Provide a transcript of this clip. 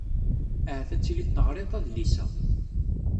Ahat ad tiliḍ teɣriḍ adlis-a.